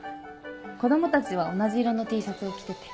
子供たちは同じ色のＴシャツを着てて。